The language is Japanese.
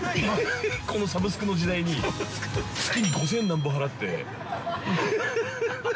◆このサブスクの時代に月に５千何ぼ払って。